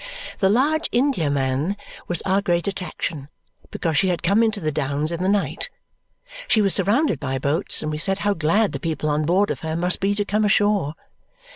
The large Indiaman was our great attraction because she had come into the downs in the night. She was surrounded by boats, and we said how glad the people on board of her must be to come ashore.